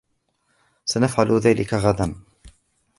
سنفعل ذلك غداً.